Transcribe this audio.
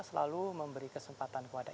selalu memberi kesempatan kepada